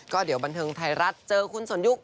ก็เดี๋ยวบันเทิงไทยรัฐเจอคุณสนยุค